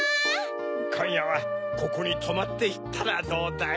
こんやはここにとまっていったらどうだい？